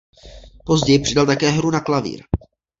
Později přidal také hru na klavír.